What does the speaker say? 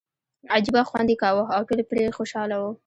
عجیبه خوند یې کاوه او ټول پرې خوشاله وو.